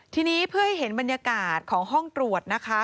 ทีนี้เพื่อให้เห็นบรรยากาศของห้องตรวจนะคะ